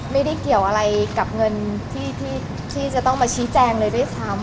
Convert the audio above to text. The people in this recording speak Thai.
ไม่ได้เกี่ยวอะไรกับเงินที่จะต้องมาชี้แจงเลยด้วยซ้ำ